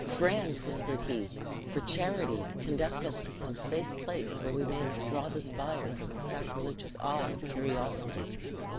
'Friend,' whispered he, 'for charity conduct us to some safe place where we may withdraw this bier from the sacrilegious eye of curiosity.'